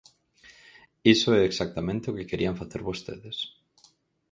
Iso é exactamente o que querían facer vostedes.